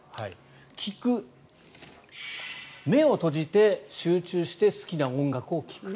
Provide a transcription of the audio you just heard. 聞く、目を閉じて集中して好きな音楽を聴く。